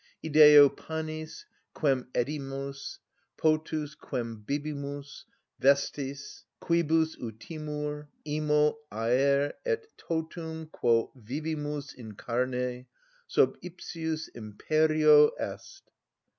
Ideo panis, quem edimus, potus, quem bibimus, vestes, quibus utimur, imo aër et totum quo vivimus in carne, sub ipsius imperio est.